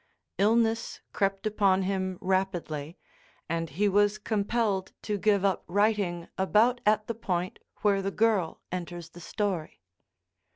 Illness crept upon him rapidly and he was compelled to give up writing about at the point where the girl enters the story.